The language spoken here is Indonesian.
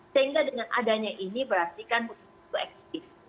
sehingga dengan adanya ini berarti kan putus asa